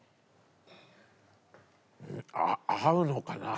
あ合うのかなあ？